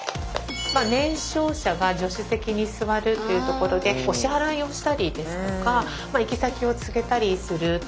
年少者が助手席に座るっていうところでお支払いをしたりですとか行き先を告げたりするという意味で。